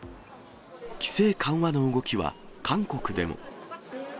規制緩和の動きは韓国でも。